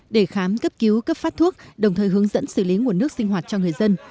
để khám cấp cứu cấp phát thuốc đồng thời hướng dẫn xử lý nguồn nước sinh hoạt cho người dân